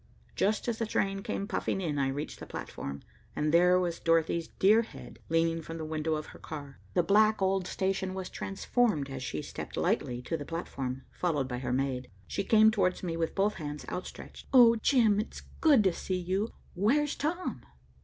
Just as the train came puffing in, I reached the platform, and there was Dorothy's dear head leaning from the window of her car. The black old station was transformed as she stepped lightly to the platform, followed by her maid. She came towards me with both hands outstretched. "Oh, Jim, it's good to see you. Where's Tom?"